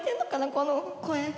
この声。